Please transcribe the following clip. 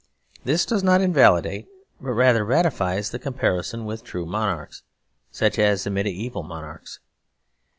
This does not invalidate, but rather ratifies the comparison with true monarchs such as the mediaeval monarchs.